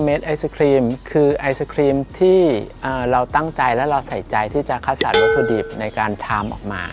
เด็ดไอศครีมคือไอศครีมที่เราตั้งใจและเราใส่ใจที่จะคัดสรรวัตถุดิบในการทำออกมา